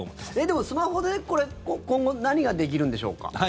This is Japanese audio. でも、スマホで今後何ができるんでしょうか。